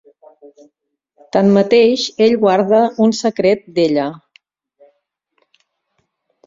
Tanmateix, ell guarda un secret d'ella.